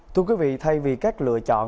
thưa quý vị thay vì các lựa chọn